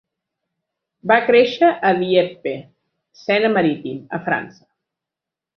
Va créixer a Dieppe (Sena Marítim), a França.